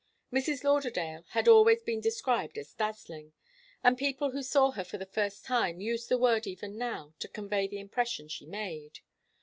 Mrs. Lauderdale had always been described as dazzling, and people who saw her for the first time used the word even now to convey the impression she made.